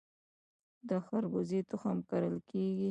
د خربوزې تخم کرل کیږي؟